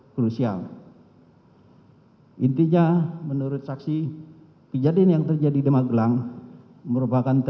kcana men regarder kan